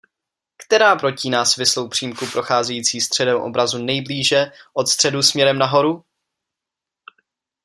Která protíná svislou přímku procházející středem obrazu nejblíže od středu směrem nahoru?